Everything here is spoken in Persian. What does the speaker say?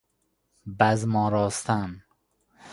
بزم آراستن